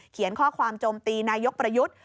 เขียนข้อความโจมตีนายกประยุทธ์